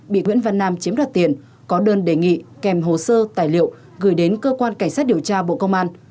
bị nguyễn văn nam chiếm đoạt tiền có đơn đề nghị kèm hồ sơ tài liệu gửi đến cơ quan cảnh sát điều tra bộ công an